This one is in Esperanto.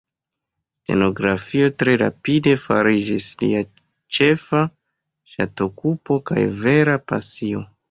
Stenografio tre rapide fariĝis lia ĉefa ŝatokupo kaj vera pasio.